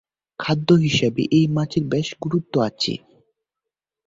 খাদ্য হিসাবে এই মাছের বেশ গুরুত্ব আছে।